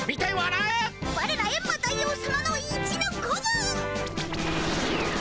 ワレらエンマ大王さまの一の子分！